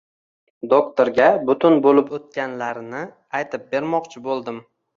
Doktorga butun bo’lib o’tganlarni aytib bermoqchi bo’ldim.